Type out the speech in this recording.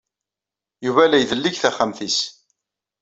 Yuba la idelleg taxxamt-nnes.